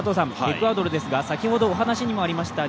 エクアドルですが、先ほどお話にもありました